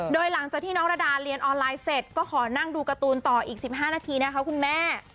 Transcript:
โดยหลังจากที่น้องระดาเรียนออนไลน์เสร็จก็ขอนั่งดูการ์ตูนต่ออีก๑๕นาทีนะคะคุณแม่